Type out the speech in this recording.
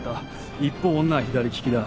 一方女は左利きだ。